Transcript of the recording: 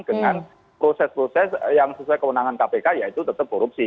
dengan proses proses yang sesuai kewenangan kpk yaitu tetap korupsi